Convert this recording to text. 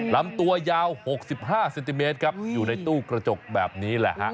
ลำตัวยาว๖๕เซนติเมตรครับอยู่ในตู้กระจกแบบนี้แหละฮะ